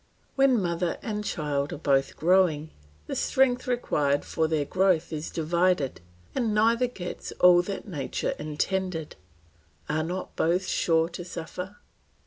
When mother and child are both growing, the strength required for their growth is divided, and neither gets all that nature intended; are not both sure to suffer?